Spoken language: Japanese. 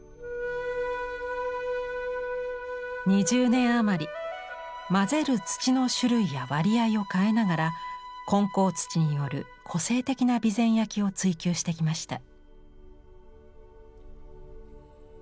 ２０年余り混ぜる土の種類や割合を変えながら混淆土による個性的な備前焼を追求してきました。